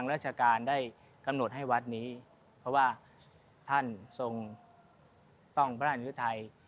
เพราะว่าท่านส่งต้องพระราชยุทัย